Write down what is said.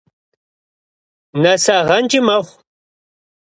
НэсагъэнкӀи мэхъу.